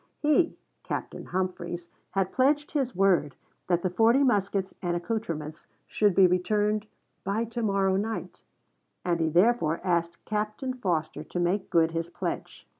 He (Captain Humphreys) had pledged his word that the forty muskets and accouterments should be returned "by to morrow night," and he therefore asked Captain Foster to make good his pledge.